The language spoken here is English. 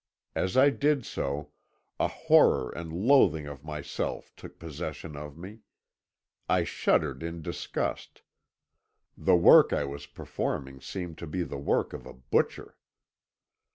As I did so, a horror and loathing of myself took possession of me; I shuddered in disgust; the work I was performing seemed to be the work of a butcher.